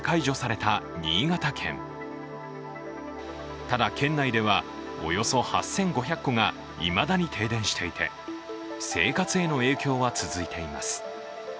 ただ、県内ではおよそ８５００戸個がいまだに停電していて生活への影響は続いています。